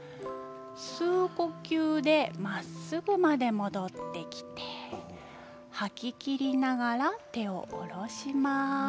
吸う呼吸でまっすぐまで戻ってきて吐ききりながら、手を下ろします。